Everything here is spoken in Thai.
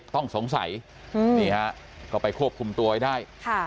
ต้องสงสัยนี่ฮะก็ไปควบคุมตัวไว้ได้